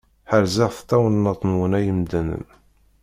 Ḥerzet tawennaṭ-nwen ay imdanen!